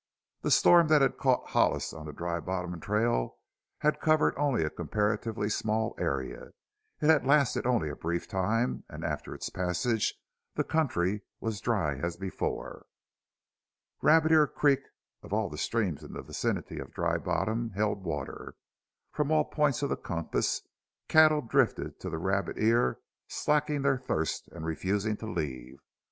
The storm that had caught Hollis on the Dry Bottom trail had covered only a comparatively small area; it had lasted only a brief time and after its passage the country was dry as before. Rabbit Ear Creek of all the streams in the vicinity of Dry Bottom held water. From all points of the compass cattle drifted to the Rabbit Ear, slaking their thirst and refusing to leave.